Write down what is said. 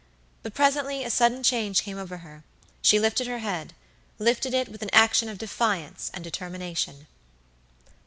But presently a sudden change came over her; she lifted her headlifted it with an action of defiance and determination.